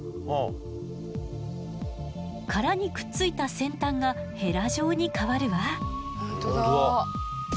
殻にくっついた先端がヘラ状に変わるわ。